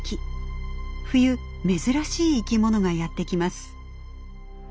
冬珍しい生き物がやって来ます。